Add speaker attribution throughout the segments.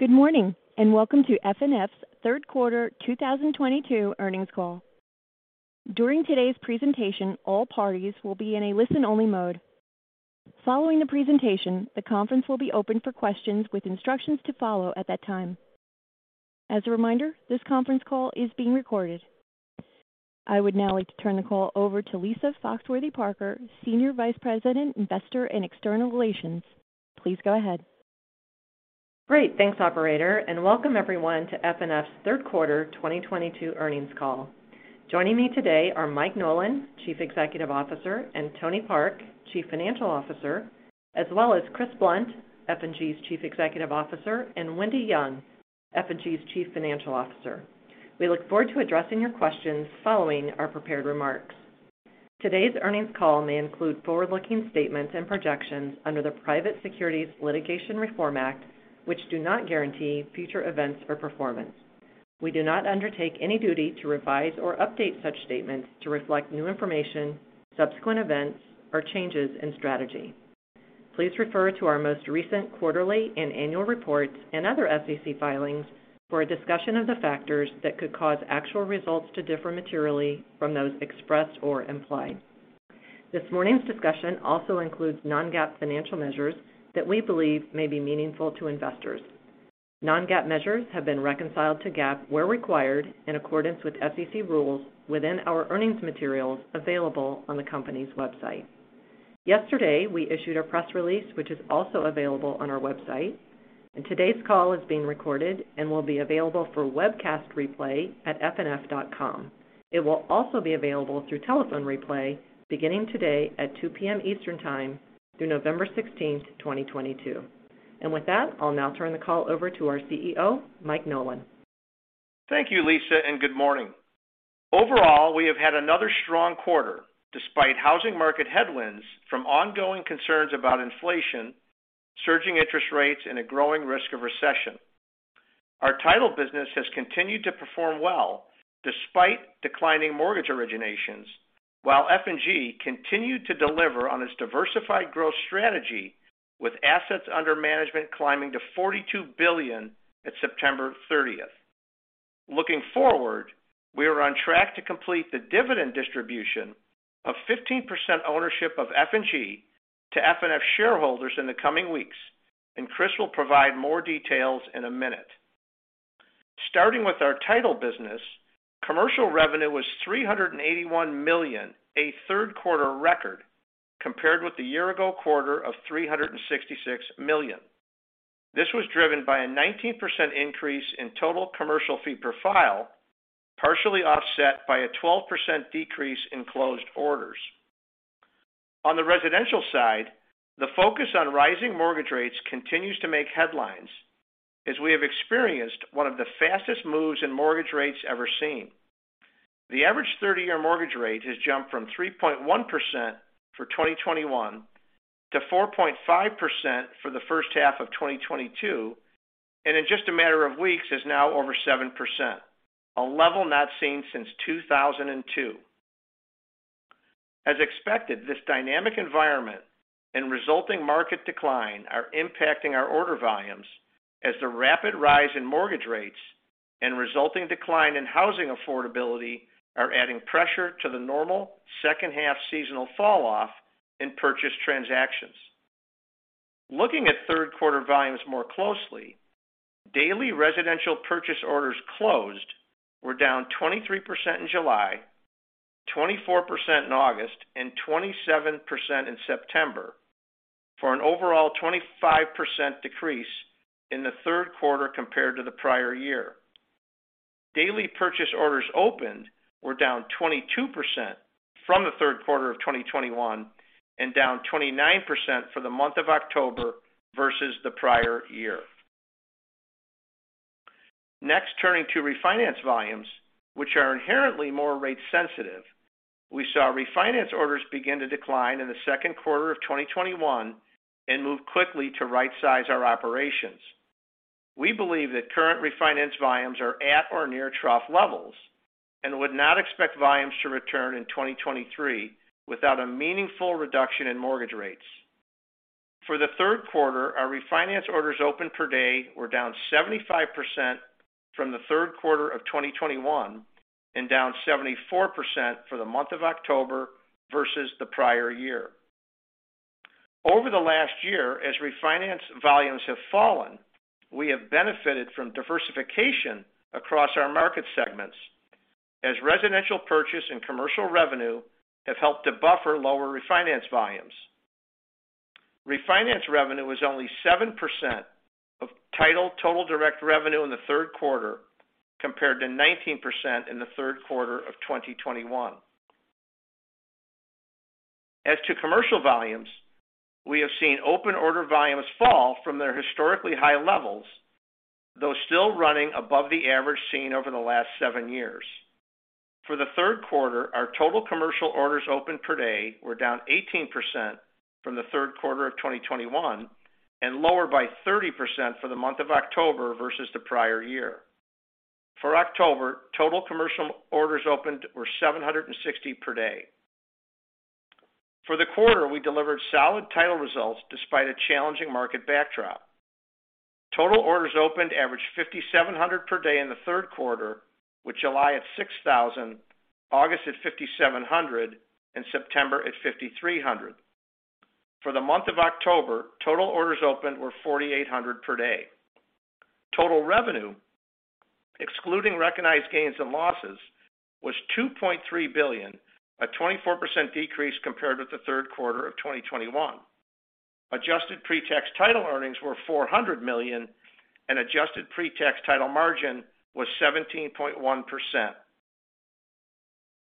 Speaker 1: Good morning, and welcome to FNF's third quarter 2022 earnings call. During today's presentation, all parties will be in a listen-only mode. Following the presentation, the conference will be open for questions with instructions to follow at that time. As a reminder, this conference call is being recorded. I would now like to turn the call over to Lisa Foxworthy-Parker, Senior Vice President, Investor and External Relations. Please go ahead.
Speaker 2: Great. Thanks, operator, and welcome everyone to FNF's third quarter 2022 earnings call. Joining me today are Mike Nolan, Chief Executive Officer, and Tony Park, Chief Financial Officer, as well as Chris Blunt, F&G's Chief Executive Officer, and Wendy Young, F&G's Chief Financial Officer. We look forward to addressing your questions following our prepared remarks. Today's earnings call may include forward-looking statements and projections under the Private Securities Litigation Reform Act, which do not guarantee future events or performance. We do not undertake any duty to revise or update such statements to reflect new information, subsequent events, or changes in strategy. Please refer to our most recent quarterly and annual reports and other SEC filings for a discussion of the factors that could cause actual results to differ materially from those expressed or implied. This morning's discussion also includes non-GAAP financial measures that we believe may be meaningful to investors. Non-GAAP measures have been reconciled to GAAP where required in accordance with SEC rules within our earnings materials available on the company's website. Yesterday, we issued a press release, which is also available on our website. Today's call is being recorded and will be available for webcast replay at fnf.com. It will also be available through telephone replay beginning today at 2:00 P.M. Eastern time through November sixteenth, 2022. With that, I'll now turn the call over to our CEO, Mike Nolan.
Speaker 3: Thank you, Lisa, and good morning. Overall, we have had another strong quarter despite housing market headwinds from ongoing concerns about inflation, surging interest rates, and a growing risk of recession. Our title business has continued to perform well despite declining mortgage originations, while F&G continued to deliver on its diversified growth strategy with assets under management climbing to $42 billion at September 30. Looking forward, we are on track to complete the dividend distribution of 15% ownership of F&G to FNF shareholders in the coming weeks, and Chris will provide more details in a minute. Starting with our title business, commercial revenue was $381 million, a third quarter record, compared with the year ago quarter of $366 million. This was driven by a 19% increase in total commercial fee per file, partially offset by a 12% decrease in closed orders. On the residential side, the focus on rising mortgage rates continues to make headlines as we have experienced one of the fastest moves in mortgage rates ever seen. The average 30-year mortgage rate has jumped from 3.1% for 2021 to 4.5% for the first half of 2022, and in just a matter of weeks is now over 7%, a level not seen since 2002. As expected, this dynamic environment and resulting market decline are impacting our order volumes as the rapid rise in mortgage rates and resulting decline in housing affordability are adding pressure to the normal second half seasonal falloff in purchase transactions. Looking at third quarter volumes more closely, daily residential purchase orders closed were down 23% in July, 24% in August, and 27% in September for an overall 25% decrease in the third quarter compared to the prior year. Daily purchase orders opened were down 22% from the third quarter of 2021 and down 29% for the month of October versus the prior year. Next, turning to refinance volumes, which are inherently more rate sensitive. We saw refinance orders begin to decline in the second quarter of 2021 and move quickly to right size our operations. We believe that current refinance volumes are at or near trough levels and would not expect volumes to return in 2023 without a meaningful reduction in mortgage rates. For the third quarter, our refinance orders opened per day were down 75% from the third quarter of 2021 and down 74% for the month of October versus the prior year. Over the last year, as refinance volumes have fallen, we have benefited from diversification across our market segments as residential purchase and commercial revenue have helped to buffer lower refinance volumes. Refinance revenue was only 7% of title total direct revenue in the third quarter compared to 19% in the third quarter of 2021. As to commercial volumes, we have seen open order volumes fall from their historically high levels, though still running above the average seen over the last 7 years. For the third quarter, our total commercial orders opened per day were down 18% from the third quarter of 2021 and lower by 30% for the month of October versus the prior year. For October, total commercial orders opened were 760 per day. For the quarter, we delivered solid title results despite a challenging market backdrop. Total orders opened averaged 5,700 per day in the third quarter, with July at 6,000, August at 5,700, and September at 5,300. For the month of October, total orders opened were 4,800 per day. Total revenue, excluding recognized gains and losses, was $2.3 billion, a 24% decrease compared with the third quarter of 2021. Adjusted pre-tax title earnings were $400 million, and adjusted pre-tax title margin was 17.1%.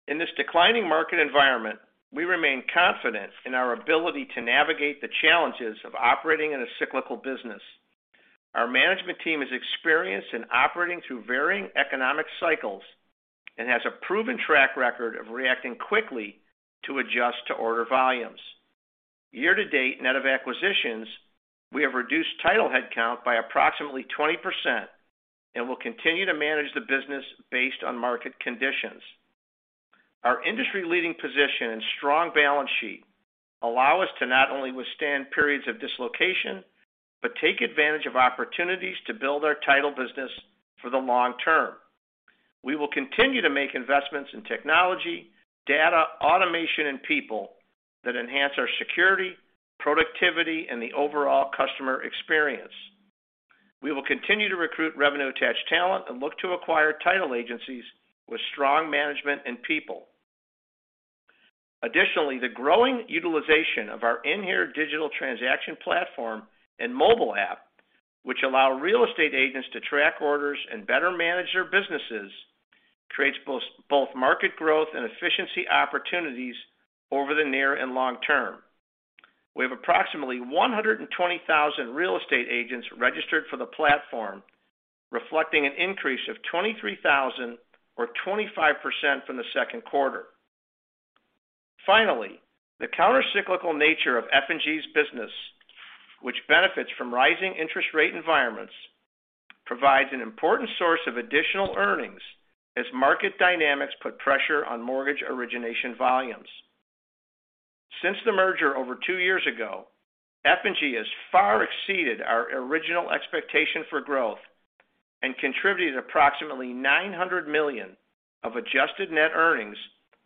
Speaker 3: In this declining market environment, we remain confident in our ability to navigate the challenges of operating in a cyclical business. Our management team is experienced in operating through varying economic cycles and has a proven track record of reacting quickly to adjust to order volumes. Year to date, net of acquisitions, we have reduced title headcount by approximately 20% and will continue to manage the business based on market conditions. Our industry-leading position and strong balance sheet allow us to not only withstand periods of dislocation, but take advantage of opportunities to build our title business for the long term. We will continue to make investments in technology, data, automation, and people that enhance our security, productivity, and the overall customer experience. We will continue to recruit revenue-attached talent and look to acquire title agencies with strong management and people. Additionally, the growing utilization of our inHere and mobile app, which allow real estate agents to track orders and better manage their businesses, creates both market growth and efficiency opportunities over the near and long term. We have approximately 120,000 real estate agents registered for the platform, reflecting an increase of 23,000 or 25% from the second quarter. Finally, the countercyclical nature of F&G's business, which benefits from rising interest rate environments, provides an important source of additional earnings as market dynamics put pressure on mortgage origination volumes. Since the merger over two years ago, F&G has far exceeded our original expectation for growth and contributed approximately $900 million of adjusted net earnings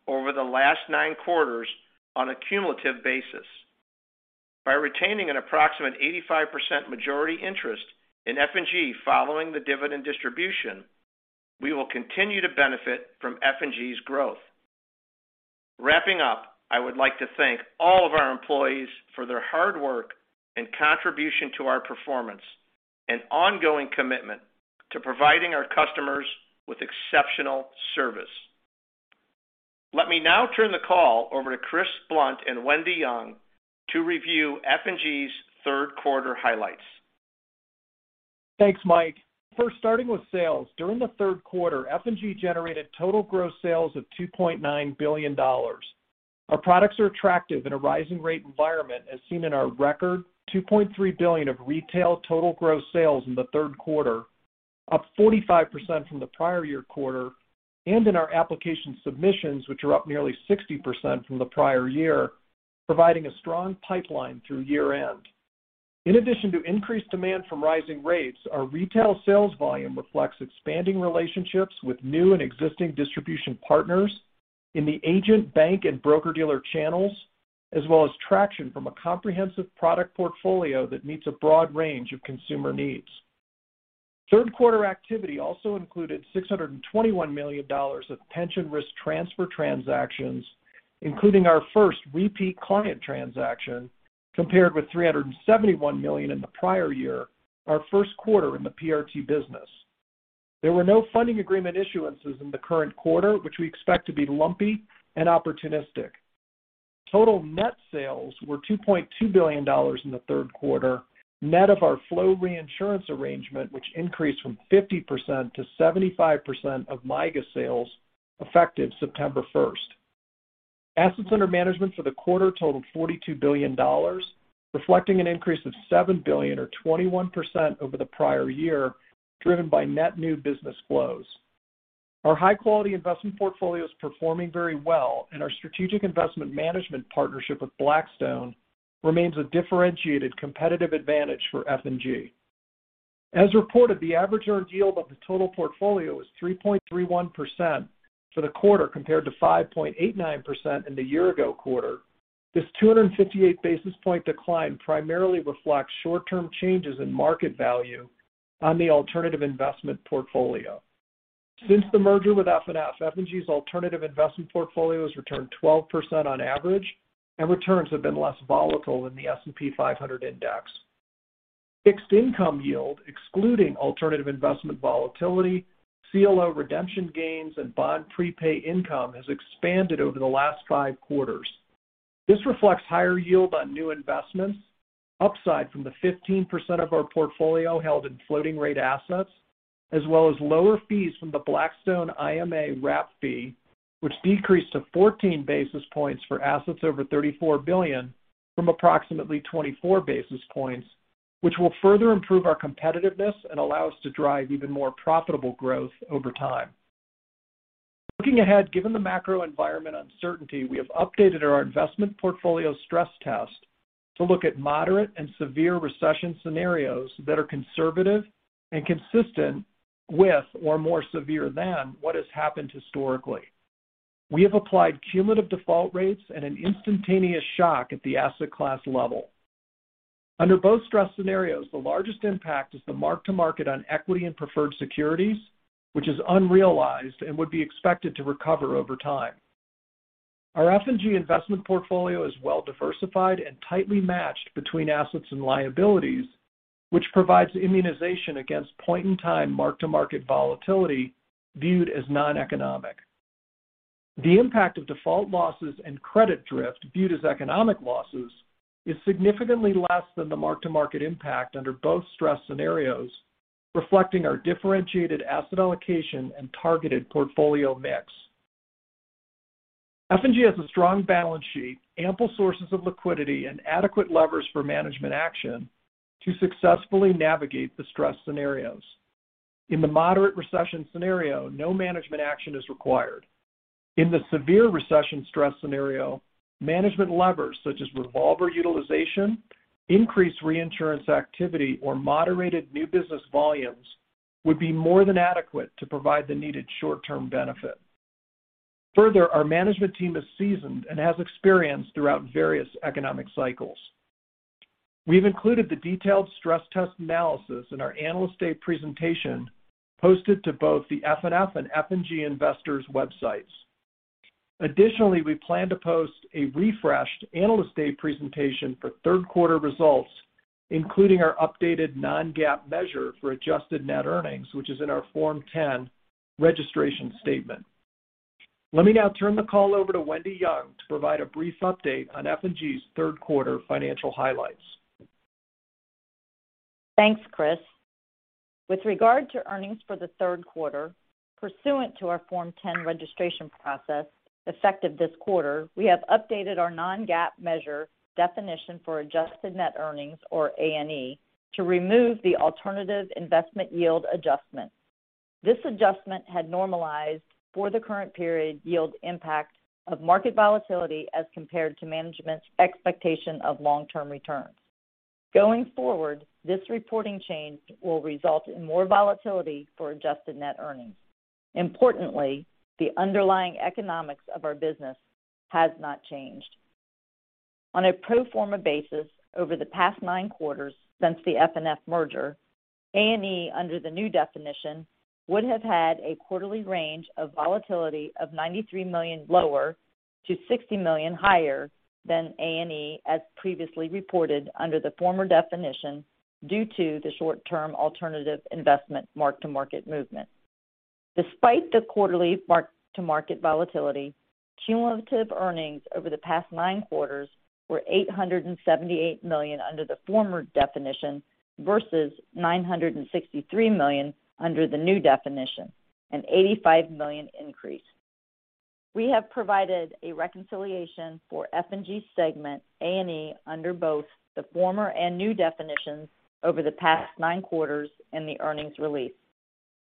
Speaker 3: over the last nine quarters on a cumulative basis. By retaining an approximate 85% majority interest in F&G following the dividend distribution, we will continue to benefit from F&G's growth. Wrapping up, I would like to thank all of our employees for their hard work and contribution to our performance and ongoing commitment to providing our customers with exceptional service. Let me now turn the call over to Chris Blunt and Wendy Young to review F&G's third quarter highlights.
Speaker 4: Thanks, Mike. First, starting with sales. During the third quarter, F&G generated total gross sales of $2.9 billion. Our products are attractive in a rising rate environment as seen in our record $2.3 billion of retail total gross sales in the third quarter, up 45% from the prior year quarter, and in our application submissions, which are up nearly 60% from the prior year, providing a strong pipeline through year-end. In addition to increased demand from rising rates, our retail sales volume reflects expanding relationships with new and existing distribution partners in the agent, bank, and broker-dealer channels, as well as traction from a comprehensive product portfolio that meets a broad range of consumer needs. Third quarter activity also included $621 million of pension risk transfer transactions, including our first repeat client transaction, compared with $371 million in the prior year, our first quarter in the PRT business. There were no funding agreement issuances in the current quarter, which we expect to be lumpy and opportunistic. Total net sales were $2.2 billion in the third quarter, net of our flow reinsurance arrangement, which increased from 50% to 75% of MYGA sales effective September first. Assets under management for the quarter totaled $42 billion, reflecting an increase of $7 billion or 21% over the prior year, driven by net new business flows. Our high-quality investment portfolio is performing very well, and our strategic investment management partnership with Blackstone remains a differentiated competitive advantage for F&G. As reported, the average earned yield of the total portfolio was 3.31% for the quarter, compared to 5.89% in the year-ago quarter. This 258 basis point decline primarily reflects short-term changes in market value on the alternative investment portfolio. Since the merger with FNF, F&G's alternative investment portfolio has returned 12% on average, and returns have been less volatile than the S&P 500 index. Fixed income yield, excluding alternative investment volatility, CLO redemption gains, and bond prepay income has expanded over the last 5 quarters. This reflects higher yield on new investments, upside from the 15% of our portfolio held in floating rate assets, as well as lower fees from the Blackstone IMA wrap fee, which decreased to 14 basis points for assets over $34 billion from approximately 24 basis points, which will further improve our competitiveness and allow us to drive even more profitable growth over time. Looking ahead, given the macro environment uncertainty, we have updated our investment portfolio stress test to look at moderate and severe recession scenarios that are conservative and consistent with or more severe than what has happened historically. We have applied cumulative default rates and an instantaneous shock at the asset class level. Under both stress scenarios, the largest impact is the mark-to-market on equity and preferred securities, which is unrealized and would be expected to recover over time. Our F&G investment portfolio is well-diversified and tightly matched between assets and liabilities, which provides immunization against point-in-time mark-to-market volatility viewed as non-economic. The impact of default losses and credit drift viewed as economic losses is significantly less than the mark-to-market impact under both stress scenarios, reflecting our differentiated asset allocation and targeted portfolio mix. F&G has a strong balance sheet, ample sources of liquidity, and adequate levers for management action to successfully navigate the stress scenarios. In the moderate recession scenario, no management action is required. In the severe recession stress scenario, management levers such as revolver utilization, increased reinsurance activity, or moderated new business volumes would be more than adequate to provide the needed short-term benefit. Further, our management team is seasoned and has experience throughout various economic cycles. We've included the detailed stress test analysis in our Analyst Day presentation, posted to both the FNF and F&G Investors websites. Additionally, we plan to post a refreshed Analyst Day presentation for third quarter results, including our updated non-GAAP measure for adjusted net earnings, which is in our Form 10 registration statement. Let me now turn the call over to Wendy Young to provide a brief update on F&G's third quarter financial highlights.
Speaker 5: Thanks, Chris. With regard to earnings for the third quarter, pursuant to our Form 10 registration process effective this quarter, we have updated our non-GAAP measure definition for adjusted net earnings or ANE to remove the alternative investment yield adjustment. This adjustment had normalized for the current period yield impact of market volatility as compared to management's expectation of long-term returns. Going forward, this reporting change will result in more volatility for adjusted net earnings. Importantly, the underlying economics of our business has not changed. On a pro forma basis, over the past nine quarters since the FNF merger, ANE under the new definition would have had a quarterly range of volatility of $93 million lower to $60 million higher than ANE as previously reported under the former definition due to the short-term alternative investment mark-to-market movement. Despite the quarterly mark-to-market volatility, cumulative earnings over the past nine quarters were $878 million under the former definition versus $963 million under the new definition, an $85 million increase. We have provided a reconciliation for F&G segment ANE under both the former and new definitions over the past nine quarters in the earnings release.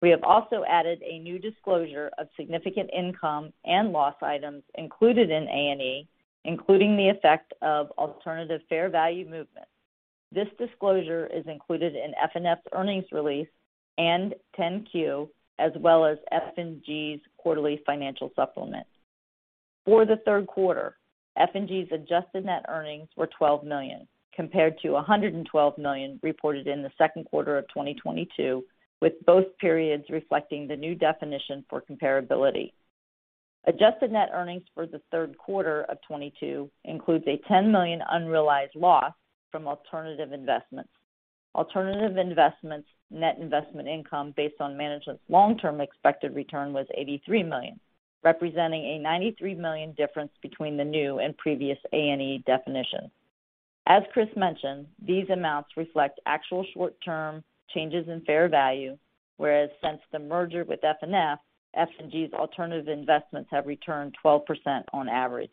Speaker 5: We have also added a new disclosure of significant income and loss items included in ANE, including the effect of alternative fair value movement. This disclosure is included in FNF's earnings release and 10-Q, as well as F&G's quarterly financial supplement. For the third quarter, F&G's adjusted net earnings were $12 million compared to $112 million reported in the second quarter of 2022, with both periods reflecting the new definition for comparability. Adjusted net earnings for the third quarter of 2022 includes a $10 million unrealized loss from alternative investments. Alternative investments net investment income based on management's long-term expected return was $83 million, representing a $93 million difference between the new and previous ANE definition. As Chris mentioned, these amounts reflect actual short-term changes in fair value, whereas since the merger with FNF, F&G's alternative investments have returned 12% on average.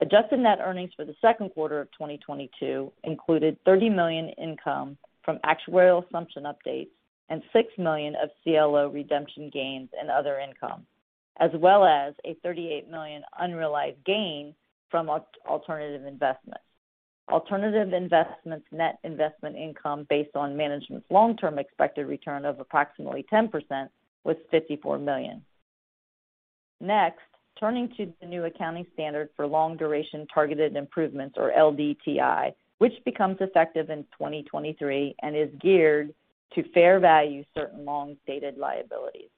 Speaker 5: Adjusted net earnings for the second quarter of 2022 included $30 million income from actuarial assumption updates and $6 million of CLO redemption gains and other income, as well as a $38 million unrealized gain from alternative investments. Alternative investments net investment income based on management's long-term expected return of approximately 10% was $54 million. Next, turning to the new accounting standard for long-duration targeted improvements or LDTI, which becomes effective in 2023 and is geared to fair value certain long-dated liabilities.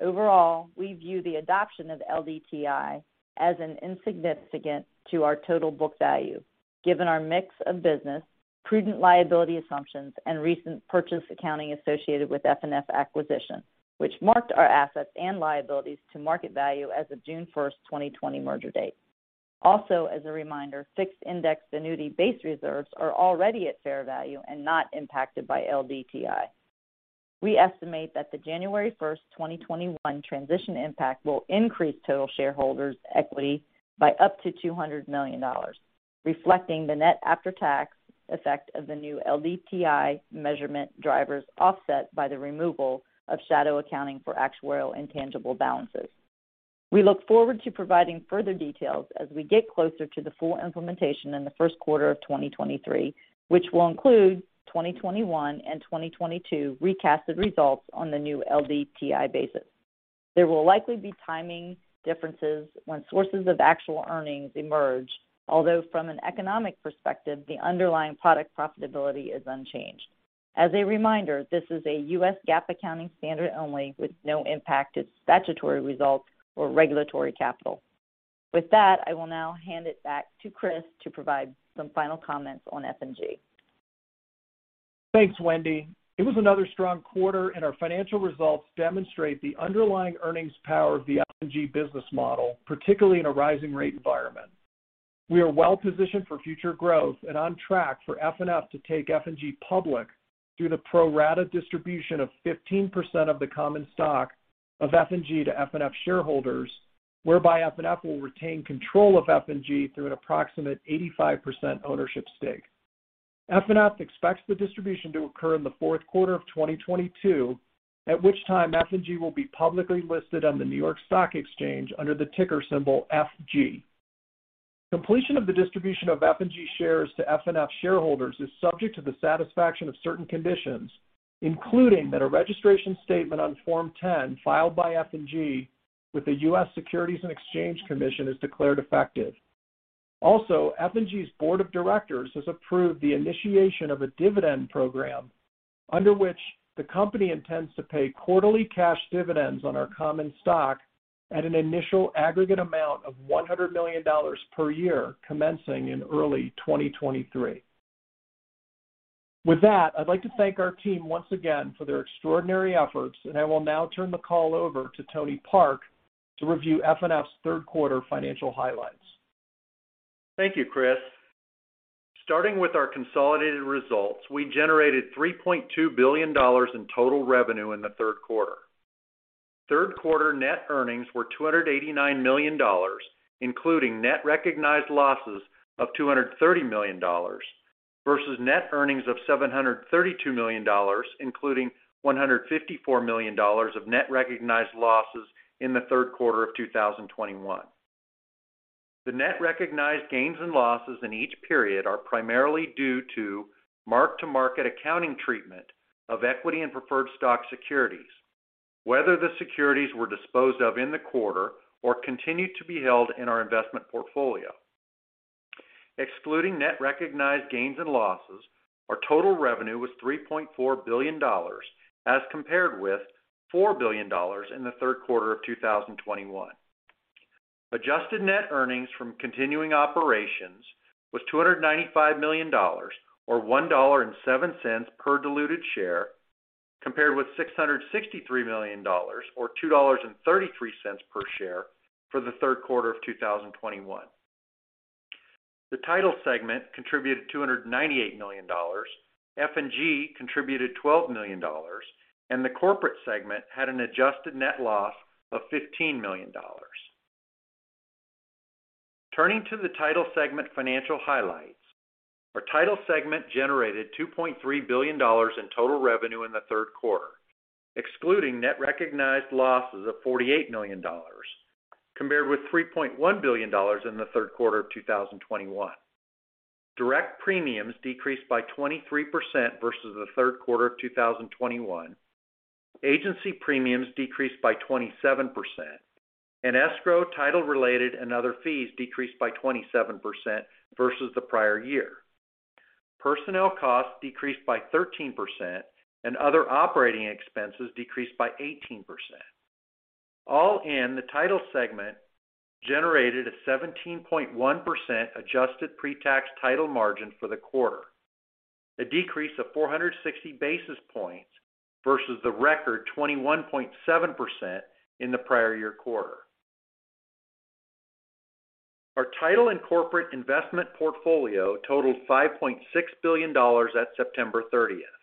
Speaker 5: Overall, we view the adoption of LDTI as an insignificant to our total book value given our mix of business, prudent liability assumptions, and recent purchase accounting associated with FNF acquisition, which marked our assets and liabilities to market value as of June 1, 2020 merger date. Also, as a reminder, fixed index annuity base reserves are already at fair value and not impacted by LDTI. We estimate that the January 1, 2021 transition impact will increase total shareholders' equity by up to $200 million. Reflecting the net after-tax effect of the new LDTI measurement drivers offset by the removal of shadow accounting for actuarial and tangible balances. We look forward to providing further details as we get closer to the full implementation in the first quarter of 2023, which will include 2021 and 2022 recasted results on the new LDTI basis. There will likely be timing differences when sources of actual earnings emerge, although from an economic perspective, the underlying product profitability is unchanged. As a reminder, this is a U.S. GAAP accounting standard only, with no impact to statutory results or regulatory capital. With that, I will now hand it back to Chris to provide some final comments on F&G.
Speaker 4: Thanks, Wendy. It was another strong quarter, and our financial results demonstrate the underlying earnings power of the F&G business model, particularly in a rising rate environment. We are well-positioned for future growth and on track for FNF to take F&G public through the pro rata distribution of 15% of the common stock of F&G to FNF shareholders, whereby FNF will retain control of F&G through an approximate 85% ownership stake. FNF expects the distribution to occur in the fourth quarter of 2022, at which time F&G will be publicly listed on the New York Stock Exchange under the ticker symbol FG. Completion of the distribution of F&G shares to FNF shareholders is subject to the satisfaction of certain conditions, including that a registration statement on Form 10 filed by F&G with the U.S. Securities and Exchange Commission is declared effective. Also, F&G's Board of Directors has approved the initiation of a dividend program under which the company intends to pay quarterly cash dividends on our common stock at an initial aggregate amount of $100 million per year, commencing in early 2023. With that, I'd like to thank our team once again for their extraordinary efforts, and I will now turn the call over to Tony Park to review FNF's third quarter financial highlights.
Speaker 6: Thank you, Chris. Starting with our consolidated results, we generated $3.2 billion in total revenue in the third quarter. Third quarter net earnings were $289 million, including net recognized losses of $230 million versus net earnings of $732 million, including $154 million of net recognized losses in the third quarter of 2021. The net recognized gains and losses in each period are primarily due to mark-to-market accounting treatment of equity and preferred stock securities, whether the securities were disposed of in the quarter or continued to be held in our investment portfolio. Excluding net recognized gains and losses, our total revenue was $3.4 billion as compared with $4 billion in the third quarter of 2021. Adjusted net earnings from continuing operations was $295 million or $1.07 per diluted share, compared with $663 million or $2.33 per share for the third quarter of 2021. The Title segment contributed $298 million, F&G contributed $12 million, and the Corporate segment had an adjusted net loss of $15 million. Turning to the Title segment financial highlights, our Title segment generated $2.3 billion in total revenue in the third quarter, excluding net recognized losses of $48 million compared with $3.1 billion in the third quarter of 2021. Direct premiums decreased by 23% versus the third quarter of 2021. Agency premiums decreased by 27%, and escrow title-related and other fees decreased by 27% versus the prior year. Personnel costs decreased by 13%, and other operating expenses decreased by 18%. All in, the Title segment generated a 17.1% adjusted pre-tax Title margin for the quarter, a decrease of 460 basis points versus the record 21.7% in the prior year quarter. Our Title and corporate investment portfolio totaled $5.6 billion at September 30th.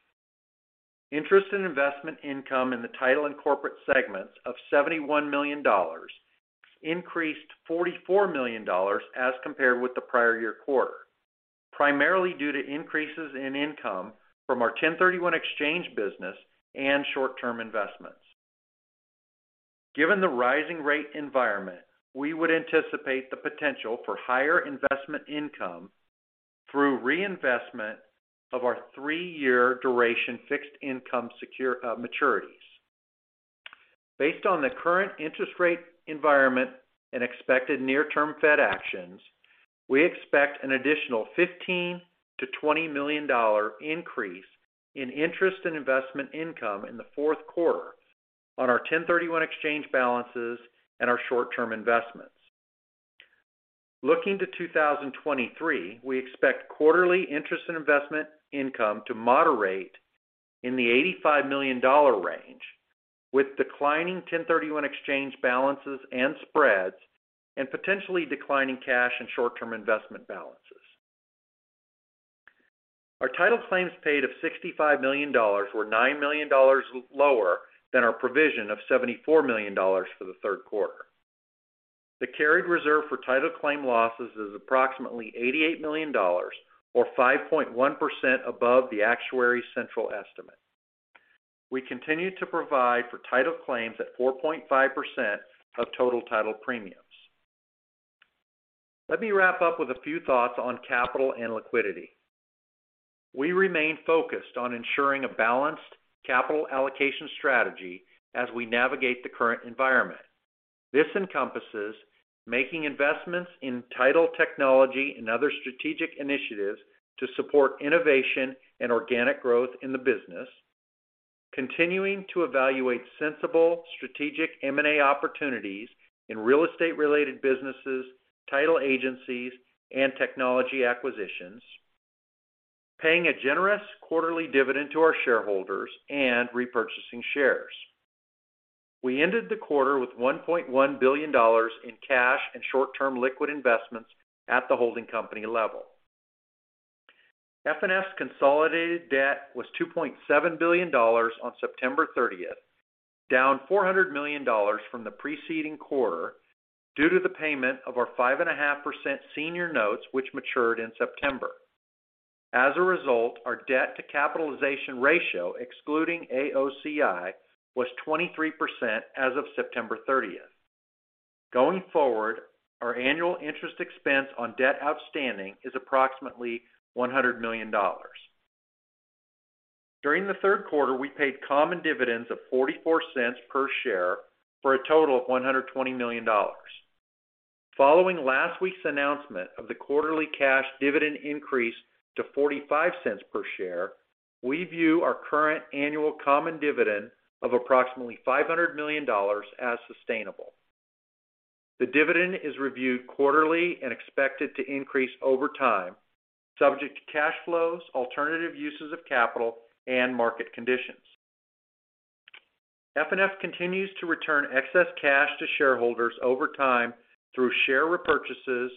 Speaker 6: Interest and investment income in the Title and corporate segments of $71 million increased $44 million as compared with the prior year quarter, primarily due to increases in income from our 1031 exchange business and short-term investments. Given the rising rate environment, we would anticipate the potential for higher investment income through reinvestment of our three-year duration fixed income securities maturities. Based on the current interest rate environment and expected near-term Fed actions, we expect an additional $15 million-$20 million increase in interest and investment income in the fourth quarter on our 1031 exchange balances and our short-term investments. Looking to 2023, we expect quarterly interest and investment income to moderate in the $85 million range with declining 1031 exchange balances and spreads, and potentially declining cash and short-term investment balances. Our title claims paid of $65 million were $9 million lower than our provision of $74 million for the third quarter. The carried reserve for title claim losses is approximately $88 million or 5.1% above the actuary's central estimate. We continue to provide for title claims at 4.5% of total title premiums. Let me wrap up with a few thoughts on capital and liquidity. We remain focused on ensuring a balanced capital allocation strategy as we navigate the current environment. This encompasses making investments in title technology and other strategic initiatives to support innovation and organic growth in the business, continuing to evaluate sensible strategic M&A opportunities in real estate-related businesses, title agencies, and technology acquisitions, paying a generous quarterly dividend to our shareholders, and repurchasing shares. We ended the quarter with $1.1 billion in cash and short-term liquid investments at the holding company level. FNF's consolidated debt was $2.7 billion on September 30th, down $400 million from the preceding quarter due to the payment of our 5.5% senior notes, which matured in September. As a result, our debt to capitalization ratio, excluding AOCI, was 23% as of September 30th. Going forward, our annual interest expense on debt outstanding is approximately $100 million. During the third quarter, we paid common dividends of $0.44 per share for a total of $120 million. Following last week's announcement of the quarterly cash dividend increase to $0.45 per share, we view our current annual common dividend of approximately $500 million as sustainable. The dividend is reviewed quarterly and expected to increase over time, subject to cash flows, alternative uses of capital, and market conditions. FNF continues to return excess cash to shareholders over time through share repurchases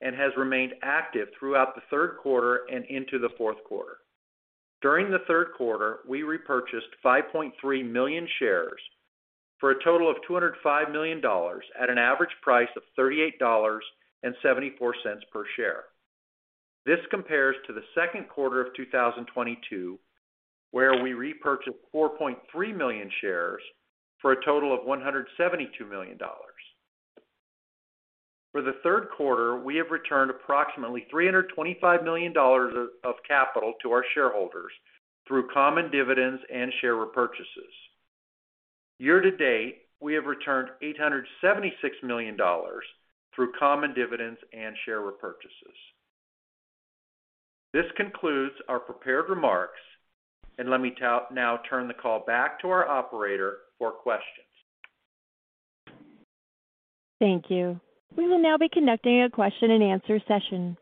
Speaker 6: and has remained active throughout the third quarter and into the fourth quarter. During the third quarter, we repurchased 5.3 million shares for a total of $205 million at an average price of $38.74 per share. This compares to the second quarter of 2022, where we repurchased 4.3 million shares for a total of $172 million. For the third quarter, we have returned approximately $325 million of capital to our shareholders through common dividends and share repurchases. Year to date, we have returned $876 million through common dividends and share repurchases. This concludes our prepared remarks, and let me now turn the call back to our operator for questions.
Speaker 1: Thank you. We will now be conducting a question-and-answer session.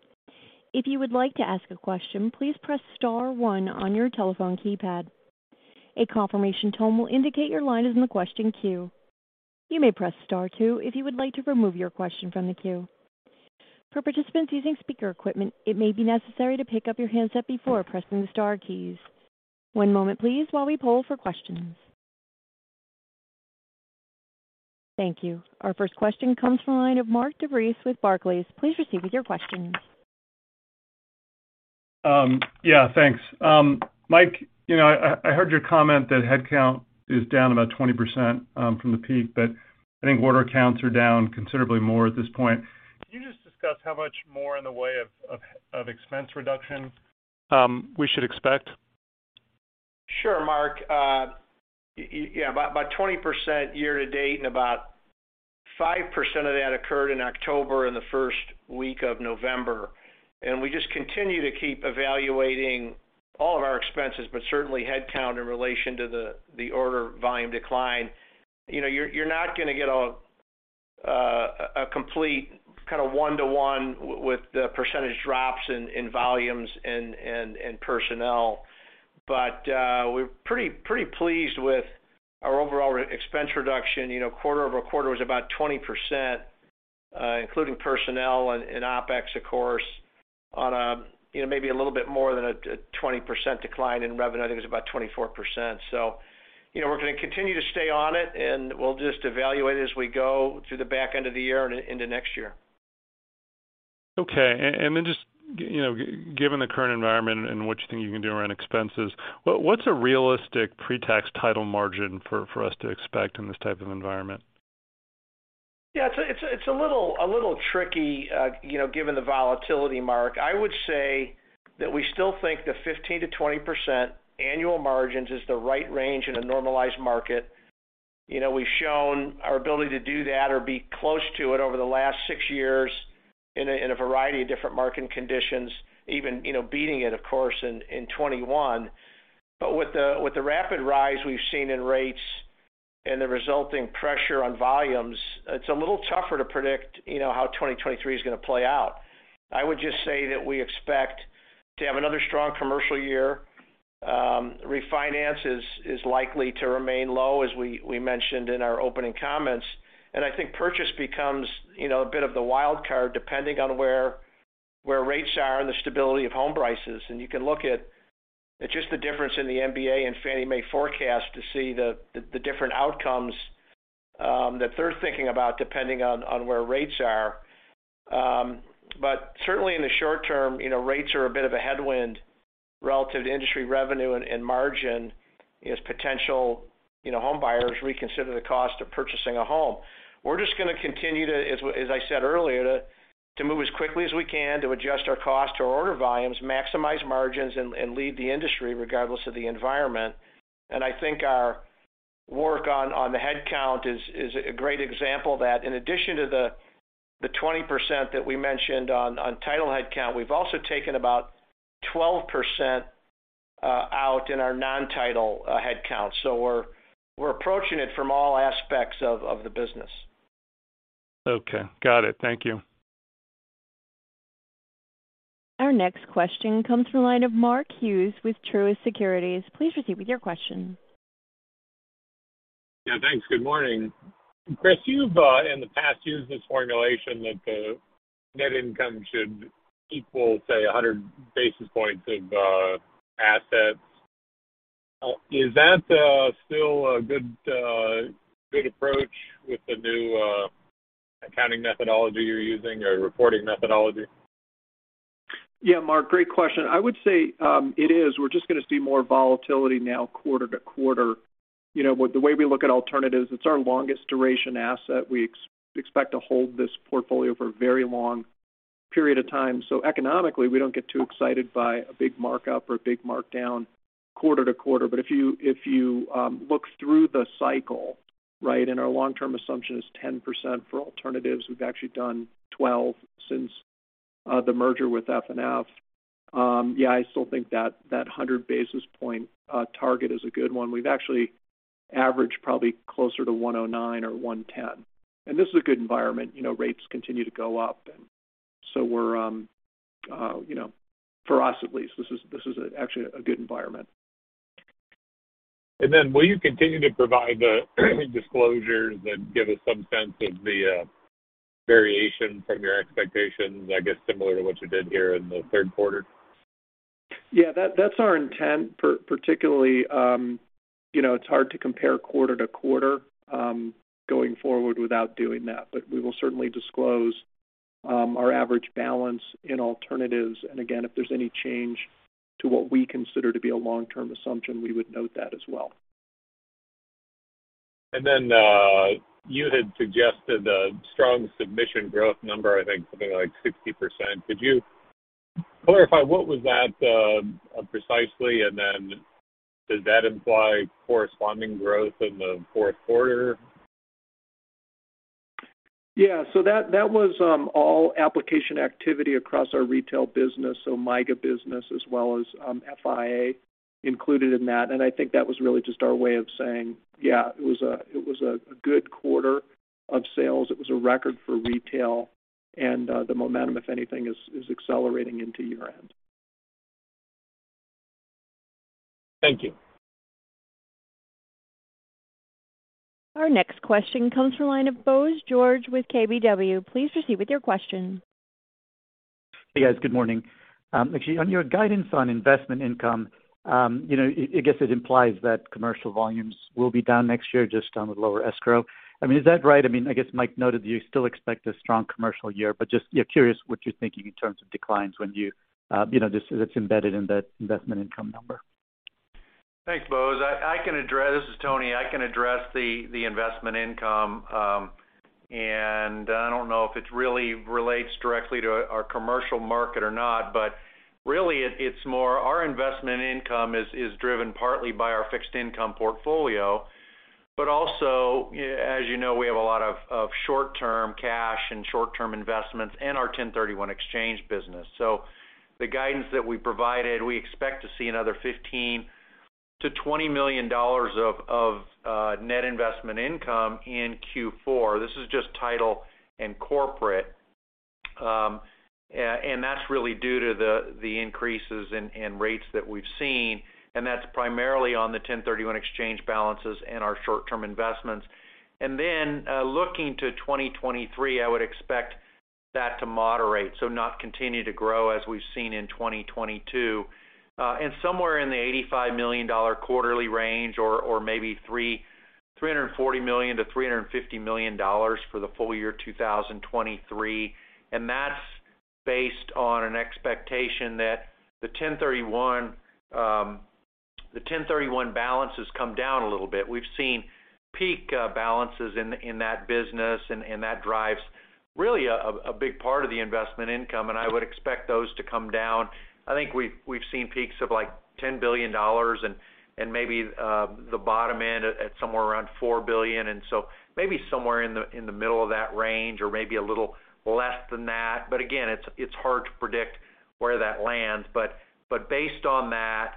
Speaker 1: If you would like to ask a question, please press star one on your telephone keypad. A confirmation tone will indicate your line is in the question queue. You may press star two if you would like to remove your question from the queue. For participants using speaker equipment, it may be necessary to pick up your handset before pressing the star keys. One moment, please, while we poll for questions. Thank you. Our first question comes from the line of Mark DeVries with Barclays. Please proceed with your questions.
Speaker 7: Yeah, thanks. Mike, you know, I heard your comment that headcount is down about 20%, from the peak, but I think order counts are down considerably more at this point. Can you just discuss how much more in the way of expense reduction we should expect?
Speaker 3: Sure, Mark. Yeah, about 20% year to date and about 5% of that occurred in October and the first week of November. We just continue to keep evaluating all of our expenses, but certainly headcount in relation to the order volume decline. You know, you're not gonna get a complete kind of one-to-one with the percentage drops in volumes and personnel. We're pretty pleased with our overall expense reduction. You know, quarter-over-quarter was about 20%, including personnel and OpEx, of course, on maybe a little bit more than a 20% decline in revenue. I think it's about 24%. You know, we're gonna continue to stay on it, and we'll just evaluate as we go through the back end of the year and into next year.
Speaker 7: Just, you know, given the current environment and what you think you can do around expenses, what's a realistic pre-tax title margin for us to expect in this type of environment?
Speaker 3: Yeah, it's a little tricky, you know, given the volatility, Mark. I would say that we still think the 15%-20% annual margins is the right range in a normalized market. You know, we've shown our ability to do that or be close to it over the last six years in a variety of different market conditions, even, you know, beating it, of course, in 2021. With the rapid rise we've seen in rates and the resulting pressure on volumes, it's a little tougher to predict, you know, how 2023 is gonna play out. I would just say that we expect to have another strong commercial year. Refinance is likely to remain low, as we mentioned in our opening comments. I think purchase becomes, you know, a bit of the wild card depending on where rates are and the stability of home prices. You can look at just the difference in the MBA and Fannie Mae forecast to see the different outcomes that they're thinking about depending on where rates are. But certainly in the short term, you know, rates are a bit of a headwind relative to industry revenue and margin as potential homebuyers reconsider the cost of purchasing a home. We're just gonna continue to, as I said earlier, to move as quickly as we can to adjust our cost to our order volumes, maximize margins, and lead the industry regardless of the environment. I think our work on the headcount is a great example of that. In addition to the 20% that we mentioned on title headcount, we've also taken about 12% out in our non-title headcount. We're approaching it from all aspects of the business.
Speaker 8: Okay. Got it. Thank you.
Speaker 1: Our next question comes from the line of Mark Hughes with Truist Securities. Please proceed with your question.
Speaker 8: Yeah, thanks. Good morning. Chris, you've in the past used this formulation that the net income should equal, say, 100 basis points of assets. Is that still a good approach with the new accounting methodology you're using or reporting methodology?
Speaker 4: Yeah, Mark, great question. I would say, it is. We're just gonna see more volatility now quarter to quarter. You know, with the way we look at alternatives, it's our longest duration asset. We expect to hold this portfolio for a very long period of time. Economically, we don't get too excited by a big markup or a big markdown quarter to quarter. If you look through the cycle, right, and our long-term assumption is 10% for alternatives, we've actually done 12 since the merger with FNF. Yeah, I still think that 100 basis points target is a good one. We've actually averaged probably closer to 109 or 110. This is a good environment, you know, rates continue to go up. We're, you know, for us at least, this is actually a good environment.
Speaker 8: Will you continue to provide the disclosures and give us some sense of the variation from your expectations, I guess similar to what you did here in the third quarter?
Speaker 4: Yeah. That's our intent. Particularly, you know, it's hard to compare quarter to quarter going forward without doing that. But we will certainly disclose our average balance in alternatives. Again, if there's any change to what we consider to be a long-term assumption, we would note that as well.
Speaker 8: You had suggested a strong submission growth number, I think something like 60%. Could you clarify what was that precisely, and then does that imply corresponding growth in the fourth quarter?
Speaker 4: Yeah. That was all application activity across our retail business, so MYGA business as well as FIA included in that. I think that was really just our way of saying, yeah, it was a good quarter of sales. It was a record for retail. The momentum, if anything, is accelerating into year-end.
Speaker 8: Thank you.
Speaker 1: Our next question comes from the line of Bose George with KBW. Please proceed with your question.
Speaker 9: Hey, guys. Good morning. Actually, on your guidance on investment income, you know, I guess it implies that commercial volumes will be down next year just on with lower escrow. I mean, is that right? I mean, I guess Mike noted that you still expect a strong commercial year, but just, yeah, curious what you're thinking in terms of declines when you know, it's embedded in that investment income number.
Speaker 6: Thanks, Bose. I can address. This is Tony. I can address the investment income. I don't know if it really relates directly to our commercial market or not. Really it's more our investment income is driven partly by our fixed income portfolio. Also, as you know, we have a lot of short-term cash and short-term investments in our 1031 exchange business. The guidance that we provided, we expect to see another $15 million-$20 million of net investment income in Q4. This is just title and corporate. And that's really due to the increases in rates that we've seen, and that's primarily on the 1031 exchange balances and our short-term investments. Looking to 2023, I would expect that to moderate, so not continue to grow as we've seen in 2022. Somewhere in the $85 million quarterly range or maybe $340 million-$350 million for the full year 2023. That's based on an expectation that the 1031 balance has come down a little bit. We've seen peak balances in that business, and that drives really a big part of the investment income, and I would expect those to come down. I think we've seen peaks of, like, $10 billion and maybe the bottom end at somewhere around $4 billion. Maybe somewhere in the middle of that range or maybe a little less than that. Again, it's hard to predict where that lands. Based on that,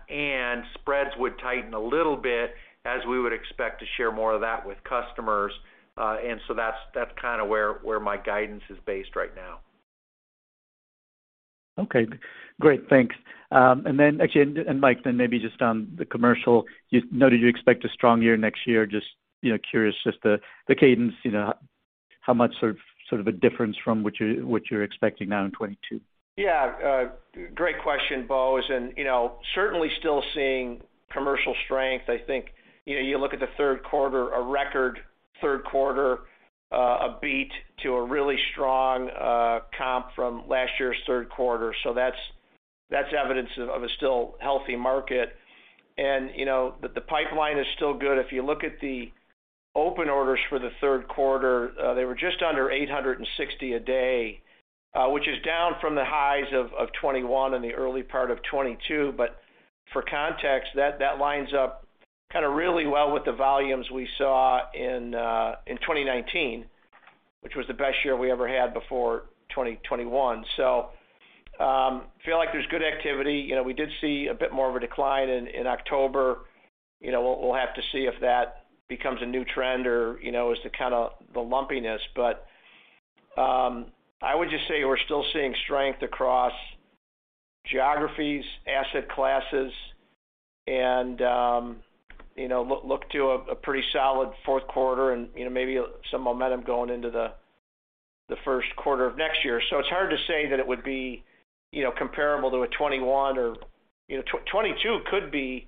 Speaker 6: spreads would tighten a little bit as we would expect to share more of that with customers. That's kinda where my guidance is based right now.
Speaker 9: Okay, great. Thanks. Actually, Mike then maybe just on the commercial, you noted you expect a strong year next year. Just, you know, curious just the cadence, you know, how much sort of a difference from what you're expecting now in 2022.
Speaker 3: Yeah. Great question, Bose. You know, certainly still seeing commercial strength. I think, you know, you look at the third quarter, a record third quarter, a beat to a really strong comp from last year's third quarter. That's evidence of a still healthy market. You know, the pipeline is still good. If you look at the open orders for the third quarter, they were just under 860 a day, which is down from the highs of 2021 and the early part of 2022. For context, that lines up kinda really well with the volumes we saw in 2019, which was the best year we ever had before 2021. Feel like there's good activity. You know, we did see a bit more of a decline in October. You know, we'll have to see if that becomes a new trend or, you know, is the kind of the lumpiness. I would just say we're still seeing strength across geographies, asset classes and, you know, look to a pretty solid fourth quarter and, you know, maybe some momentum going into the first quarter of next year. It's hard to say that it would be, you know, comparable to a 2021 or, you know, 2022 could be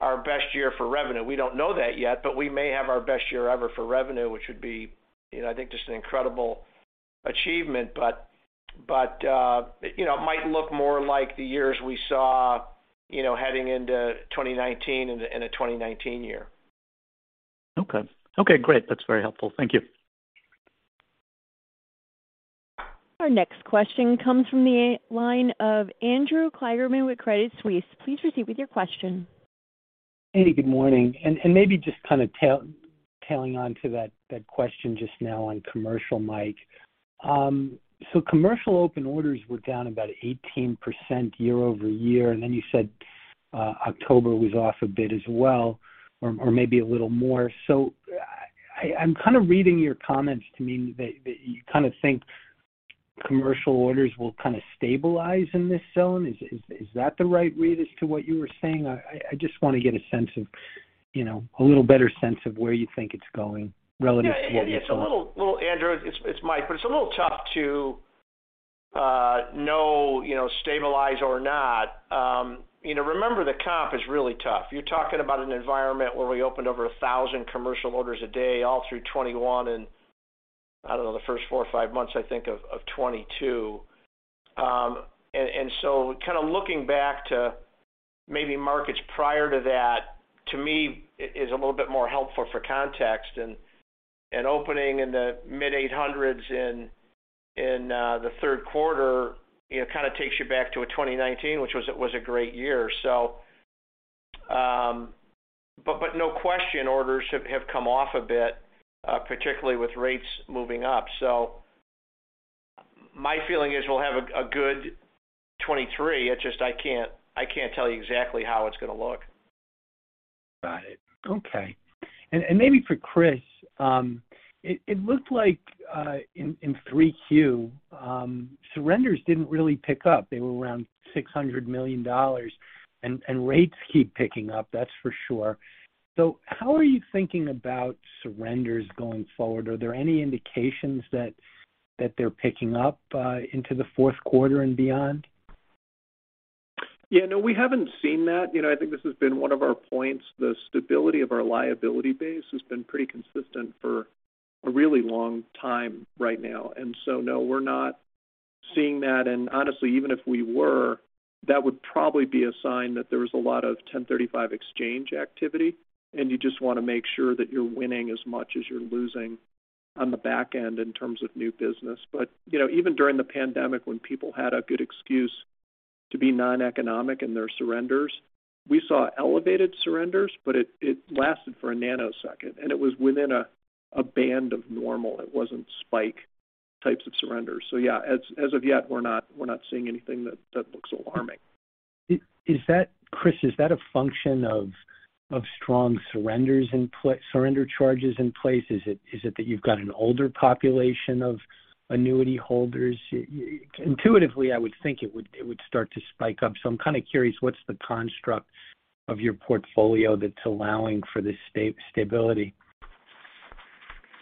Speaker 3: our best year for revenue. We don't know that yet, but we may have our best year ever for revenue, which would be, you know, I think just an incredible achievement. You know, it might look more like the years we saw, you know, heading into 2019 in the 2019 year.
Speaker 9: Okay, great. That's very helpful. Thank you.
Speaker 1: Our next question comes from the line of Andrew Kligerman with Credit Suisse. Please proceed with your question.
Speaker 10: Hey, good morning. Maybe just kind of tailing on to that question just now on commercial, Mike. Commercial open orders were down about 18% year-over-year, and then you said October was off a bit as well, or maybe a little more. I'm kind of reading your comments to mean that you kind of think commercial orders will kind of stabilize in this zone. Is that the right read as to what you were saying? I just want to get a sense of, you know, a little better sense of where you think it's going relative to where you thought.
Speaker 3: Yeah. Andrew Kligerman, it's Mike Nolan. It's a little tough to know, you know, stabilize or not. You know, remember the comp is really tough. You're talking about an environment where we opened over 1,000 commercial orders a day all through 2021 and, I don't know, the first four or five months, I think, of 2022. So kind of looking back to maybe markets prior to that, to me is a little bit more helpful for context. Opening in the mid-800s in the third quarter, you know, kind of takes you back to a 2019, which was a great year. No question orders have come off a bit, particularly with rates moving up. My feeling is we'll have a good 2023. It's just I can't tell you exactly how it's gonna look.
Speaker 10: Got it. Okay. Maybe for Chris, it looked like in 3Q, surrenders didn't really pick up. They were around $600 million. Rates keep picking up, that's for sure. How are you thinking about surrenders going forward? Are there any indications that they're picking up into the fourth quarter and beyond?
Speaker 4: Yeah. No, we haven't seen that. You know, I think this has been one of our points. The stability of our liability base has been pretty consistent for a really long time right now. No, we're not seeing that. Honestly, even if we were, that would probably be a sign that there was a lot of 1035 exchange activity. You just wanna make sure that you're winning as much as you're losing on the back end in terms of new business. You know, even during the pandemic when people had a good excuse to be noneconomic in their surrenders, we saw elevated surrenders, but it lasted for a nanosecond, and it was within a band of normal. It wasn't spike types of surrenders. Yeah, as of yet, we're not seeing anything that looks alarming.
Speaker 10: Is that, Chris, a function of strong surrender charges in place? Is it that you've got an older population of annuity holders? Intuitively, I would think it would start to spike up. I'm kind of curious, what's the construct of your portfolio that's allowing for this stability?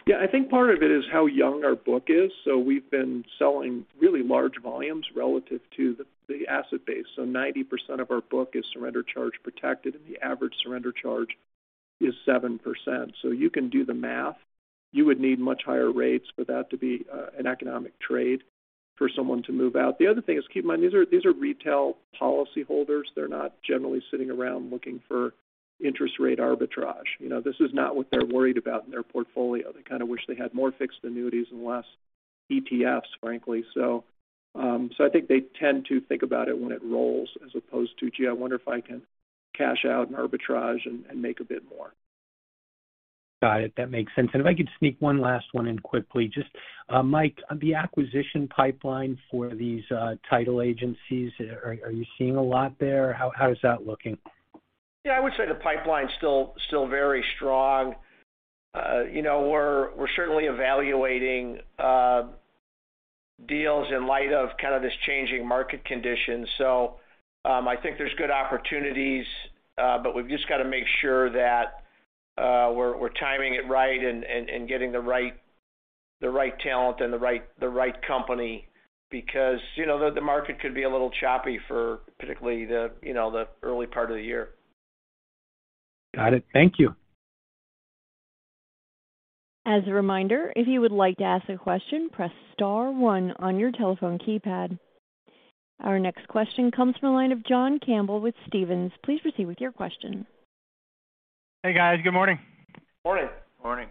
Speaker 4: Yeah. I think part of it is how young our book is. We've been selling really large volumes relative to the asset base. Ninety percent of our book is surrender charge protected, and the average surrender charge is 7%. You can do the math. You would need much higher rates for that to be an economic trade for someone to move out. The other thing is, keep in mind, these are retail policy holders. They're not generally sitting around looking for interest rate arbitrage. You know, this is not what they're worried about in their portfolio. They kind of wish they had more fixed annuities and less ETFs, frankly. I think they tend to think about it when it rolls, as opposed to, "Gee, I wonder if I can cash out and arbitrage and make a bit more.
Speaker 10: Got it. That makes sense. If I could sneak one last one in quickly. Just, Mike, on the acquisition pipeline for these title agencies, are you seeing a lot there? How is that looking?
Speaker 3: Yeah, I would say the pipeline's still very strong. You know, we're certainly evaluating deals in light of kind of this changing market conditions. I think there's good opportunities, but we've just gotta make sure that we're timing it right and getting the right talent and the right company because you know the market could be a little choppy for particularly the early part of the year.
Speaker 10: Got it. Thank you.
Speaker 1: As a reminder, if you would like to ask a question, press star one on your telephone keypad. Our next question comes from the line of John Campbell with Stephens. Please proceed with your question.
Speaker 11: Hey, guys. Good morning.
Speaker 6: Morning.
Speaker 3: Morning.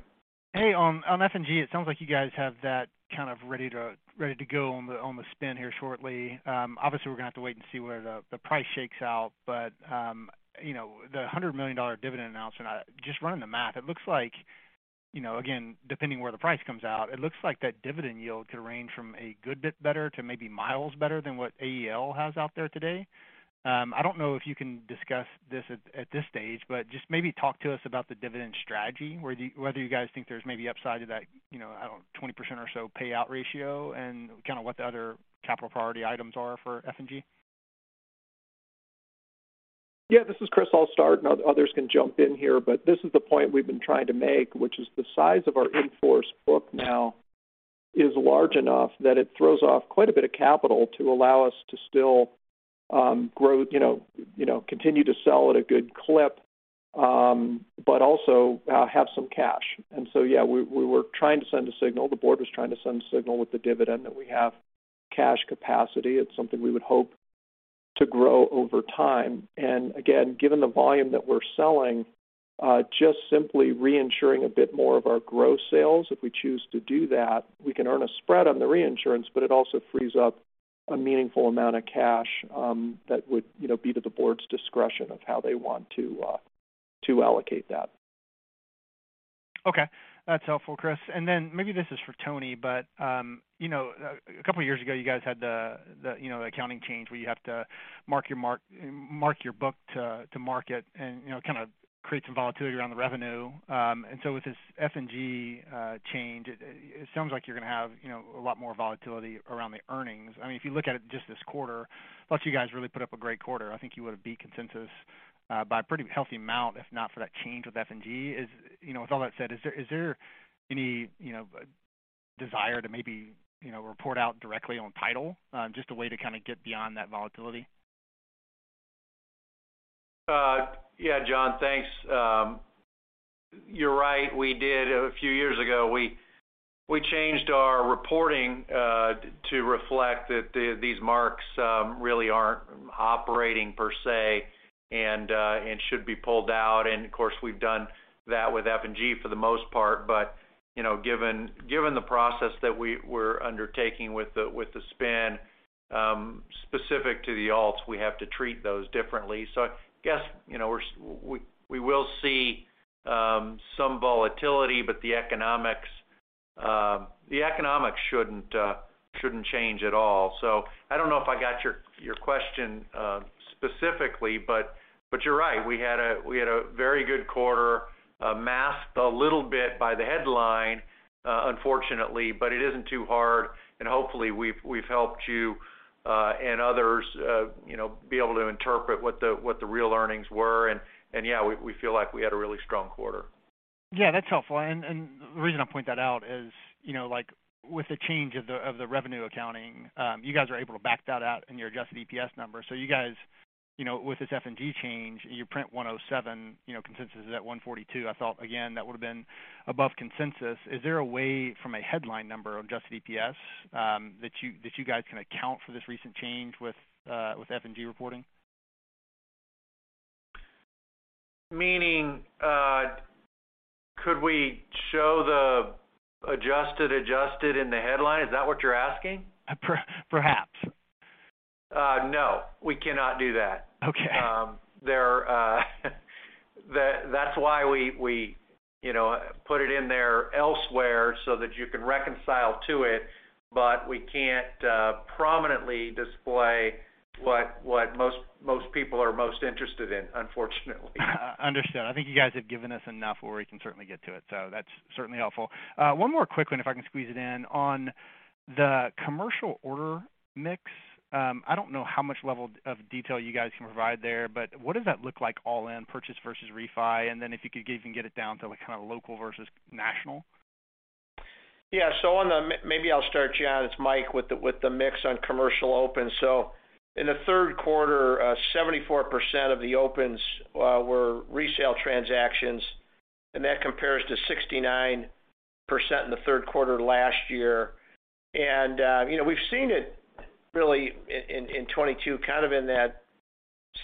Speaker 11: Hey. On F&G, it sounds like you guys have that kind of ready to go on the spin here shortly. Obviously we're gonna have to wait and see where the price shakes out. You know, the $100 million dividend announcement, just running the math, it looks like, you know, again, depending where the price comes out, it looks like that dividend yield could range from a good bit better to maybe miles better than what AEL has out there today. I don't know if you can discuss this at this stage, but just maybe talk to us about the dividend strategy, whether you guys think there's maybe upside to that, you know, 20% or so payout ratio and kinda what the other capital priority items are for F&G.
Speaker 4: Yeah. This is Chris Blunt. Others can jump in here, but this is the point we've been trying to make, which is the size of our in-force book now is large enough that it throws off quite a bit of capital to allow us to still, grow, you know, continue to sell at a good clip, but also, have some cash. Yeah, we were trying to send a signal. The Board was trying to send a signal with the dividend that we have cash capacity. It's something we would hope to grow over time. Again, given the volume that we're selling, just simply reinsuring a bit more of our gross sales if we choose to do that, we can earn a spread on the reinsurance, but it also frees up a meaningful amount of cash, that would, you know, be to the board's discretion of how they want to to allocate that.
Speaker 11: Okay. That's helpful, Chris. Maybe this is for Tony, but you know, a couple of years ago you guys had the you know, the accounting change where you have to mark your book to market and you know, kind of create some volatility around the revenue. With this F&G change, it sounds like you're gonna have you know, a lot more volatility around the earnings. I mean, if you look at it just this quarter, plus you guys really put up a great quarter. I think you would have beat consensus by a pretty healthy amount if not for that change with F&G. Is You know, with all that said, is there any, you know, desire to maybe, you know, report out directly on title, just a way to kind of get beyond that volatility?
Speaker 6: Yeah. John, thanks. You're right. We did. A few years ago, we changed our reporting to reflect that these marks really aren't operating per se and should be pulled out. Of course, we've done that with F&G for the most part. You know, given the process that we're undertaking with the spin specific to the alts, we have to treat those differently. I guess, you know, we will see some volatility, but the economics shouldn't change at all. I don't know if I got your question specifically, but you're right. We had a very good quarter, masked a little bit by the headline, unfortunately, but it isn't too hard, and hopefully we've helped you and others, you know, be able to interpret what the real earnings were. Yeah, we feel like we had a really strong quarter.
Speaker 11: Yeah, that's helpful. The reason I point that out is, you know, like, with the change of the revenue accounting, you guys are able to back that out in your adjusted EPS number. You guys, you know, with this F&G change, you print 107, you know, consensus is at 142. I thought again, that would have been above consensus. Is there a way from a headline number of adjusted EPS, that you guys can account for this recent change with F&G reporting?
Speaker 6: Meaning, could we show the adjusted in the headline? Is that what you're asking?
Speaker 11: Perhaps.
Speaker 6: No, we cannot do that.
Speaker 11: Okay.
Speaker 6: That's why we, you know, put it in there elsewhere so that you can reconcile to it, but we can't prominently display what most people are most interested in, unfortunately.
Speaker 11: Understood. I think you guys have given us enough where we can certainly get to it. That's certainly helpful. One more quick one, if I can squeeze it in. On the commercial order mix, I don't know how much level of detail you guys can provide there, but what does that look like all in purchase versus refi? And then if you could even get it down to, like, kind of local versus national?
Speaker 3: Yeah. Maybe I'll start, John. It's Mike, with the mix on commercial open. In the third quarter, 74% of the opens were resale transactions, and that compares to 69% in the third quarter last year. You know, we've seen it really in 2022, kind of in that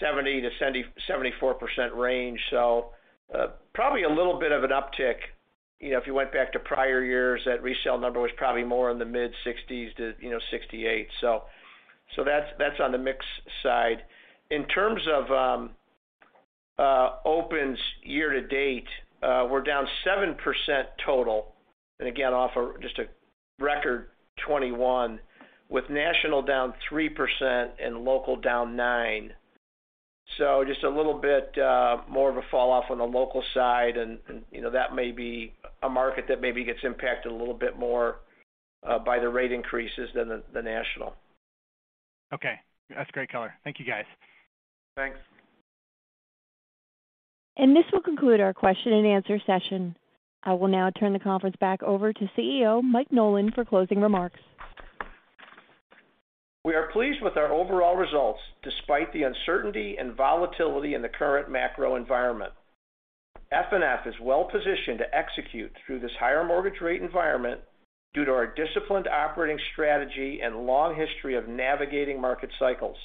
Speaker 3: 70%-74% range. Probably a little bit of an uptick. You know, if you went back to prior years, that resale number was probably more in the mid-60s to 68. That's on the mix side. In terms of opens year to date, we're down 7% total, and again, off just a record 2021, with national down 3% and local down 9%. Just a little bit more of a fall off on the local side and, you know, that may be a market that maybe gets impacted a little bit more by the rate increases than the national.
Speaker 11: Okay. That's great color. Thank you, guys.
Speaker 3: Thanks.
Speaker 1: This will conclude our question-and-answer session. I will now turn the conference back over to CEO, Mike Nolan, for closing remarks.
Speaker 3: We are pleased with our overall results despite the uncertainty and volatility in the current macro environment. FNF is well positioned to execute through this higher mortgage rate environment due to our disciplined operating strategy and long history of navigating market cycles.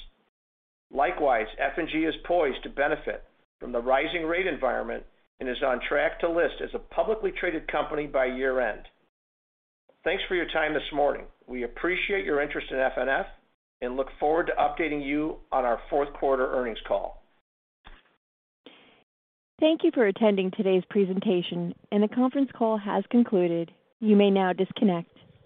Speaker 3: Likewise, F&G is poised to benefit from the rising rate environment and is on track to list as a publicly traded company by year-end. Thanks for your time this morning. We appreciate your interest in FNF and look forward to updating you on our fourth quarter earnings call.
Speaker 1: Thank you for attending today's presentation. The conference call has concluded. You may now disconnect.